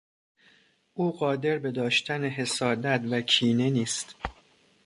او قادر به داشتن حسادت و کینه نیست.